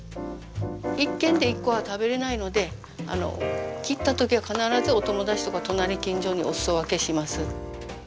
１軒で１個は食べれないので切った時は必ずお友達とか隣近所におすそ分けします。